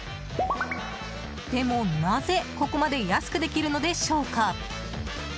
でも、なぜここまで安くできるのでしょうか。